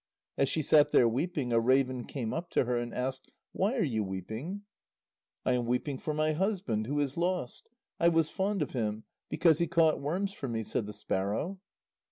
As she sat there weeping, a raven came up to her and asked: "Why are you weeping?" "I am weeping for my husband, who is lost; I was fond of him, because he caught worms for me," said the sparrow.